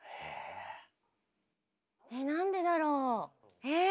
えっなんでだろう。